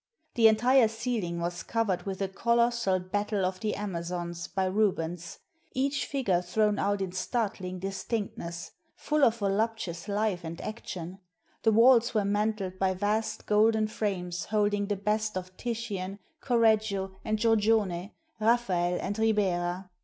The entire ceiling was covered with a colossal "Battle of the Amazons," by Rubens, each figure thrown out in startling distinctness, full of voluptuous life and action; the walls were mantled by vast golden frames holding the best of Titian, Correggio and Giorgione, Raphael and Ribera.